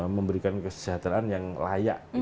memberikan kesejahteraan yang layak